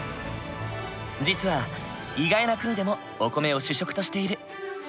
実は意外な国でもお米を主食としている。